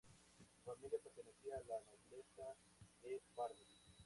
Su familia pertenecía a la nobleza de Bardi.